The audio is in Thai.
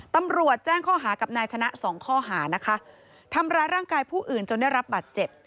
ตำรวจแจ้งข้อหากับนายชนะสองข้อหานะคะทำร้ายร่างกายผู้อื่นจนได้รับบาดเจ็บ